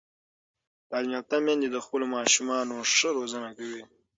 تعلیم یافته میندې د خپلو ماشومانو ښه روزنه کوي.